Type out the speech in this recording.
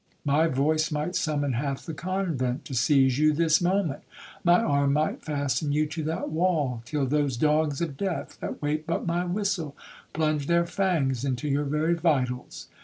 My voice might summon half the convent to seize you this moment,—my arm might fasten you to that wall, till those dogs of death, that wait but my whistle, plunged their fangs into your very vitals.